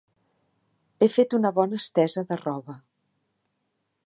He fet una bona estesa de roba.